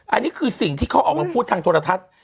อันนี้คือสิ่งที่เขาออกมาพูดทางโทรทัศน์